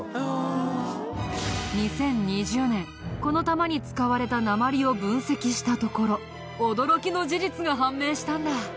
２０２０年この弾に使われた鉛を分析したところ驚きの事実が判明したんだ。